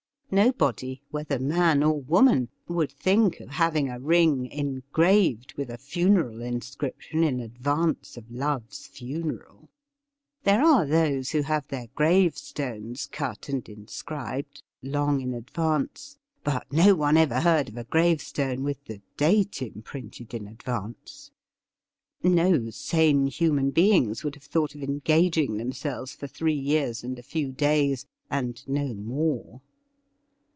Nobody, whether man or woman, would think of having a ring engraved with a funeral inscription in advance of love's funeral. There are 10 THE RIDDLE RING those who have their gravestones cut and inscribed long in advance ; but no one ever heard of a gravestone with the date imprinted in advance. No sane human beings would have thought of engaging themselves for three years and a few days, and no more.